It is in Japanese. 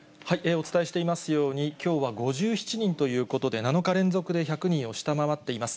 お伝えしていますように、きょうは５７人ということで、７日連続で１００人を下回っています。